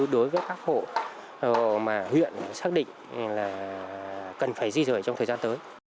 đối với các hộ mà huyện xác định là cần phải di rời trong thời gian tới